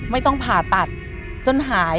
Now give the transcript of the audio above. ไม่ต้องผ่าตัดจนหาย